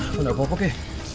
sudah kita pake